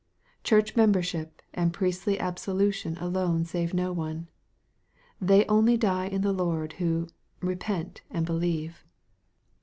Church membership a/id priestly absolution alone save no one. They only die/ in the Lord who " repent and believe."